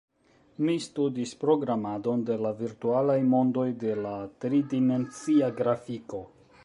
Mi studis programadon de la virtualaj mondoj, de la tridimencia grafiko